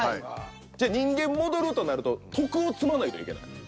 人間戻るとなると徳を積まないといけない。